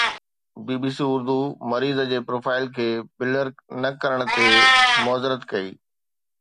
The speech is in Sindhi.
بي بي سي اردو مريض جي پروفائيل کي بلر نه ڪرڻ تي معذرت ڪئي.